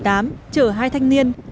sau khi xe ô tô bị bỏ